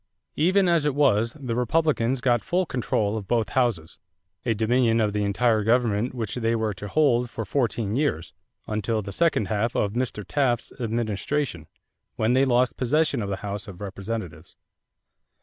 Even as it was, the Republicans got full control of both houses a dominion of the entire government which they were to hold for fourteen years until the second half of Mr. Taft's administration, when they lost possession of the House of Representatives.